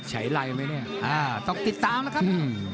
ใช้ไรไหมเนี่ยต้องติดตามนะครับ